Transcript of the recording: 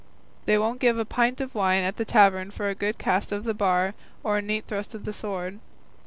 They won't give a pint of wine at the tavern for a good cast of the bar or a neat thrust of the sword.